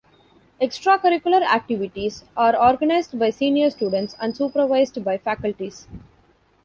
Extracurricular activities are organised by senior students and supervised by faculty.